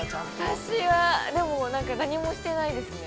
◆私は、でも何もしてないですね。